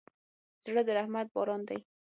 زړه د رحمت باران دی.